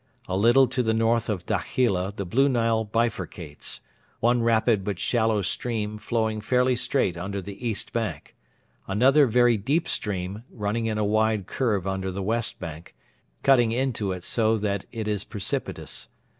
A little to the north of Dakhila the Blue Nile bifurcates one rapid but shallow stream flowing fairly straight under the east bank; another very deep stream running in a wide curve under the west bank, cutting into it so that it is precipitous.